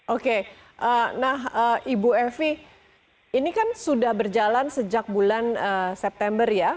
oke nah ibu evi ini kan sudah berjalan sejak bulan september ya